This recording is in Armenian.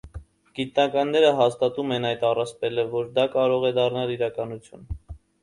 Գիտնականները հաստատում են այդ առասպելը որ դա կարող է դառնալ իրականություն։